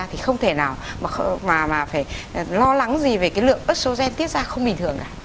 thì không thể nào mà phải lo lắng gì về cái lượng ớt sô gen tiết ra không bình thường cả